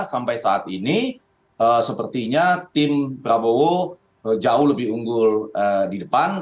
sampai saat ini sepertinya tim prabowo jauh lebih unggul di depan